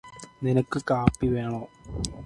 നിനക്ക് കാപ്പി വേണോ?